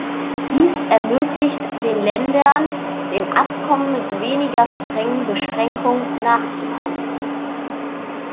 Dies ermöglicht den Ländern dem Abkommen mit weniger strengen Beschränkungen nachzukommen.